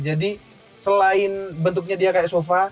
jadi selain bentuknya dia kayak sofa